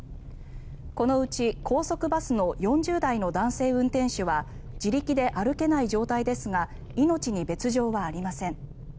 このうち高速バスの４０代の男性運転手は自力で歩けない状態ですが命に別条はありません。